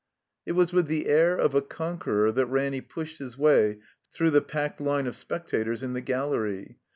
It was with the air of a conqueror that Ranny pushed his way through the packed line of spectators in the gallery.